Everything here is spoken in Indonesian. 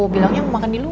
bilangnya mau makan di luar